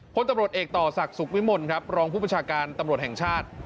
พลตำรวจเอกต่อศักดิ์สุขวิมลครับรองผู้ประชาการตำรวจแห่งชาติ